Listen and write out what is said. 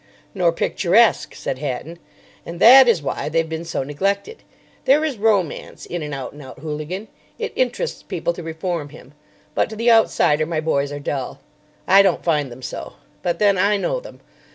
"Nor picturesque," said Hatton; "and that is why they've been so neglected. There is romance in an out and out hooligan. It interests people to reform him. But to the outsider my boys are dull. I don't find them so. But then I know them.